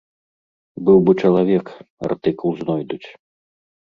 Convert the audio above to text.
Быў бы чалавек, артыкул знойдуць.